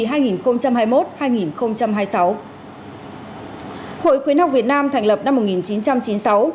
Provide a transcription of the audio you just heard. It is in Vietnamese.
hội khuyến học việt nam thành lập năm một nghìn chín trăm chín mươi sáu